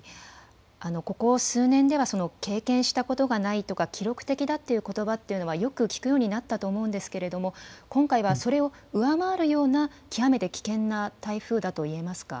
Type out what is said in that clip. ここ数年では、経験したことがないとか、記録的だということばというのは、よく聞くようになったと思うんですけれども、今回はそれを上回るような、極めて危険な台風だと言えますか？